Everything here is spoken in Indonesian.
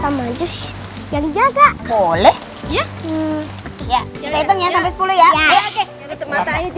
hai anjus kawan juga ayo cepet cepet